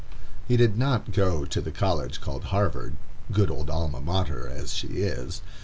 He did not go to the college called Harvard, good old Alma Mater as she is.